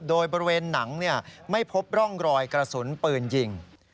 โดยบริเวณหนังไม่พบร่องรอยกระสุนปืนยิง